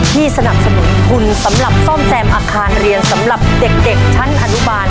สนับสนุนทุนสำหรับซ่อมแซมอาคารเรียนสำหรับเด็กชั้นอนุบาล